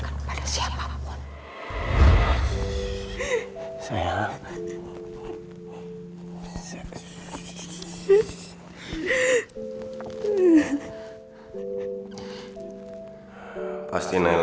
jangan ikutin aku pergi